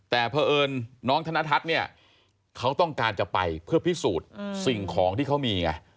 แต่เพราะเอิญน้องธนทัศน์เนี่ยเขาต้องการจะไปเพื่อพิสูจน์สิ่งของที่เขามีไง